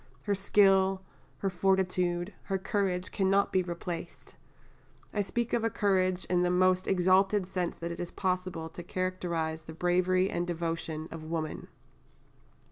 her skill, her fortitude, her courage cannot be replaced. I speak of courage in the most exalted sense that it is possible to characterise the bravery and devotion of woman."